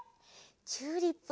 チューリップ！